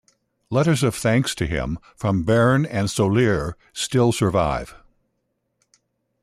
Letters of thanks to him from Berne and Soleure still survive.